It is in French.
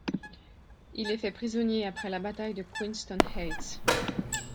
Il est fait prisonnier après la bataille de Queenston Heights.